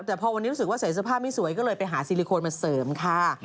แต่พอวันนี้รู้สึกว่าใส่เสื้อผ้าไม่สวยก็เลยไปหาซิลิโคนมาเสริมค่ะ